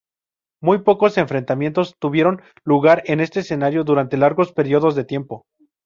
Muy pocos enfrentamientos tuvieron lugar en este escenario durante largos períodos de tiempo.